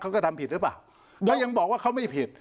เขาก็ทำผิดหรือเปล่าถ้ายังบอกว่าเขาไม่ผิด